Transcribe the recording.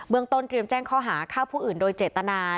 เมืองต้นเตรียมแจ้งข้อหาฆ่าผู้อื่นโดยเจตนา